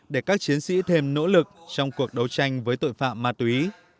để các chiến sĩ thêm nỗ lực trong cuộc đấu tranh với tội phạm ma túy